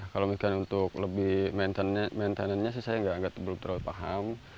kalau untuk maintenance nya saya belum terlalu paham